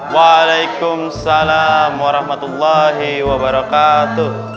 waalaikumsalam warahmatullahi wabarakatuh